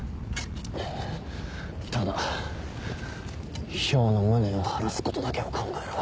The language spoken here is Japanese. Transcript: ただ漂の無念を晴らすことだけを考えろ。